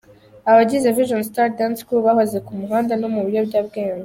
Abagize Vision Star Dance Crew bahoze ku muhanda no mu biyobyabwenge.